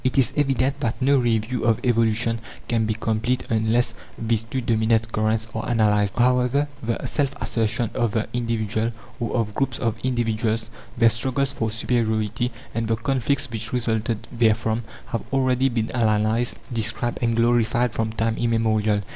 It is evident that no review of evolution can be complete, unless these two dominant currents are analyzed. However, the self assertion of the individual or of groups of individuals, their struggles for superiority, and the conflicts which resulted therefrom, have already been analyzed, described, and glorified from time immemorial.